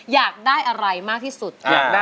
อยากได้อะไรมากที่สุด